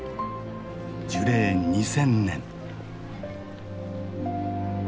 樹齢２，０００年。